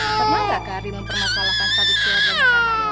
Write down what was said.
ternyata kak ari pernah salahkan tadi siapa di kanan lo